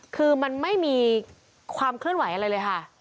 คือมันไม่มีความเคลื่อนไหวอะไรเลยค่ะ